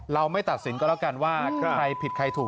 ไม่ตัดสินก็แล้วกันว่าใครผิดใครถูก